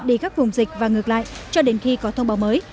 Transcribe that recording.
đi các vùng dịch và ngược lại cho đến khi có thông báo mới